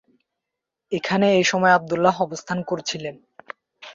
এখানে এসময় আবদুল্লাহ অবস্থান করছিলেন।